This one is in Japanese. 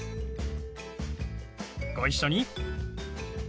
ご一緒に。